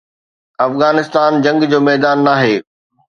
افغانستان جنگ جو ميدان ناهي.